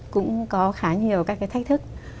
cũng có khá nhiều các cái thách thức